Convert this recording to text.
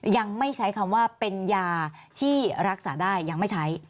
ยังไม่ใช้คำว่าเป็นยาที่รักษาได้ยังไม่ใช้